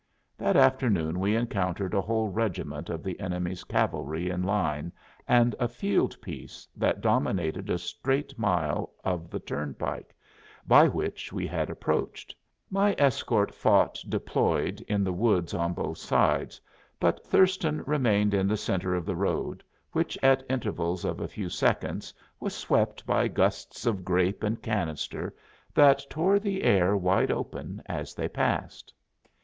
That afternoon we encountered a whole regiment of the enemy's cavalry in line and a field piece that dominated a straight mile of the turnpike by which we had approached. My escort fought deployed in the woods on both sides, but Thurston remained in the center of the road, which at intervals of a few seconds was swept by gusts of grape and canister that tore the air wide open as they passed.